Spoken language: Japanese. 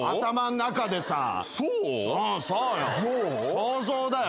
想像だよ